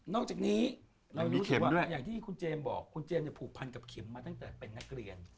นอกจากนี้อย่างที่คุณเจมส์บอกคุณเจมส์จะผูกพันกับเข็มมาตั้งแต่เป็นนักเรียน